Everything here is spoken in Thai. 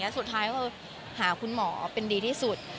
สุดท้ายก็คือหาคุณหมอเป็นดีที่สุด